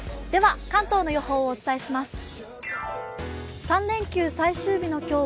関東の予報をお伝えします。